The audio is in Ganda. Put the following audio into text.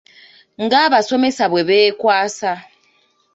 Ng’abasomesa bwe beekwasa.